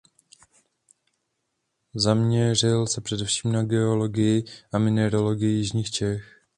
Zaměřil se především na geologii a mineralogii jižních Čech.